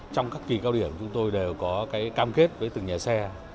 trong các kỳ cao điểm chúng tôi đều có cam kết với từng nhà xe